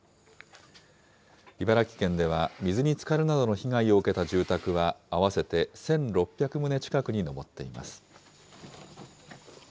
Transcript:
茨城県では水につかるなどの被害を受けた住宅は合わせて１６００棟近くに上っています。